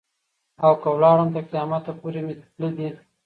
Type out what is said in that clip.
او که ولاړم تر قیامت پوري مي تله دي.